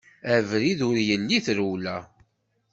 Abrid ur yelli i trewla.